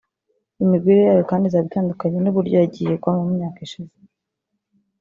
Imigwire yayo kandi izaba itandukanye n’uburyo yagiye igwamo mu myaka yashize